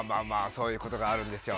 そういうことがあるんですよ。